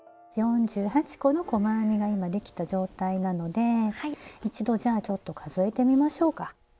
４８個の細編みが今できた状態なので一度じゃあちょっと数えてみましょうか。